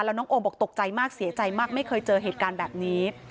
แล้วน้องโอมบอกตกใจมากเสียใจมากไม่เคยเจอเหตุการณ์แบบนี้